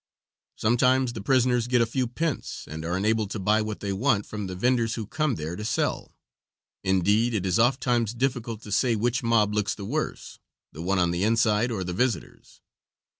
Sometimes the prisoners get a few pence and are enabled to buy what they want from the venders who come there to sell. Indeed, it is ofttimes difficult to say which mob looks the worse, the one on the inside or the visitors.